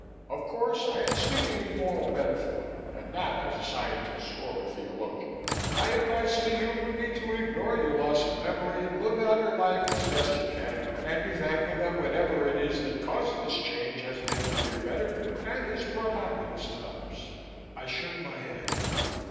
Of course, I am speaking in moral metaphor and not as a scientist or a theologian. My advice to you would be to ignore your loss of memory and live out your life as best you can and be thankful that whatever it is that caused this change has been for your betterment and has brought happiness to others." I shook my head.